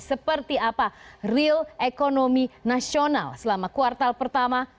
seperti apa real ekonomi nasional selama kuartal pertama